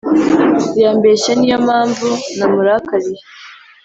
Yambeshye Niyo mpamvu ndamurakariye